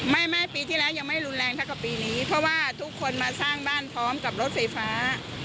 ไม่ไม่ปีที่แล้วยังไม่รุนแรงเท่ากับปีนี้เพราะว่าทุกคนมาสร้างบ้านพร้อมกับรถไฟฟ้า